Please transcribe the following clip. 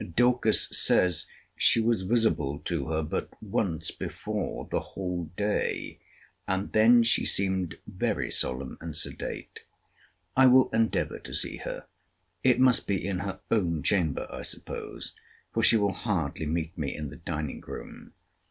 Dorcas says, she was visible to her but once before the whole day; and then she seemed very solemn and sedate. I will endeavour to see her. It must be in her own chamber, I suppose; for she will hardly meet me in the dining room.